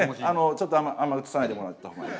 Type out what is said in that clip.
ちょっとあんまり映さないでもらったほうがいい。